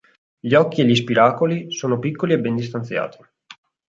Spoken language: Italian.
Gli occhi e gli spiracoli sono piccoli e ben distanziati.